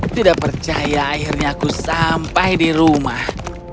tidak percaya akhirnya aku sampai di rumah